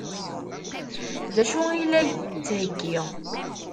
D acu i la d-yettheggi?